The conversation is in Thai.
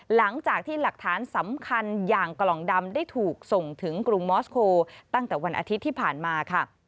หลังจากที่หลักฐานสำคัญอย่างกล่องดำได้ถูกส่งถึงกรุงมอสโคตั้งแต่วันอาทิตย์ที่ผ่านมาค่ะ